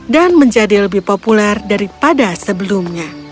dan menjadi lebih populer daripada sebelumnya